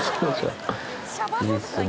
いいっすね。